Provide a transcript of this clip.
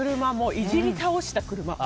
いじり倒した車。